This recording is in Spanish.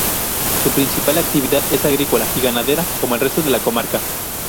Su principal actividad es agrícola y ganadera, como el resto de la comarca.